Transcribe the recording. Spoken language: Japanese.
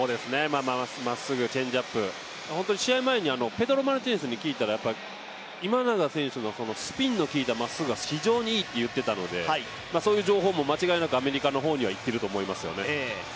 まっすぐ、チェンジアップ、試合前にペドロ・マルティネスに聞いたら今永選手のスピンのきいたまっすぐが非常にいいと言っていたので、そういう情報も間違いなくアメリカの方には行っていると思いますよね。